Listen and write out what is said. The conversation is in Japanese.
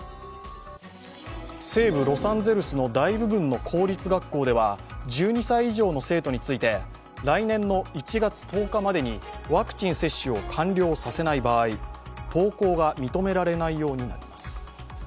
西部ロサンゼルスの大部分の公立学校では１２歳以上の生徒について、来年の１月１０日までにワクチン接種を完了させない場合、登校が認められないようになります。